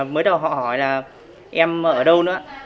mới đầu họ hỏi là em ở đâu nữa